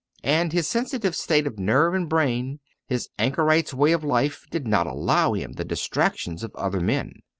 And his sensitive state of nerve and brain, his anchorite's way of life, did not allow him the distractions of other men.